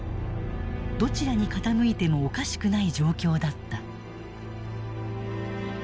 どちらに傾いてもおかしくない状況だった。